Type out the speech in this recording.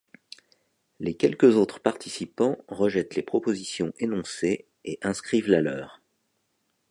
Les quelques autres participants rejettent les propositions énoncées et inscrivent la leur.